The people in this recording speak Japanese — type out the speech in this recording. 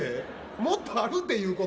もっとあるって、言うこと。